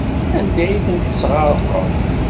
Anda ay tent-tesɣerqem?